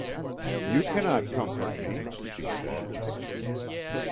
"'You cannot comfort me,' she said.